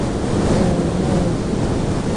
¿Oo moo jɨfaide?